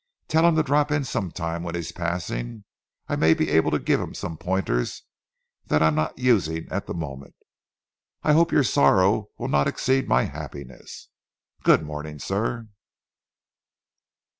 Tell him to drop in some time when he's passing; I may be able to give him some pointers that I'm not using at the moment. I hope your sorrow will not exceed my happiness. Good morning, sir."